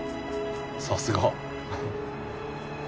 さすが！